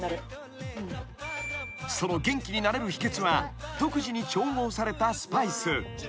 ［その元気になれる秘訣は独自に調合されたスパイス］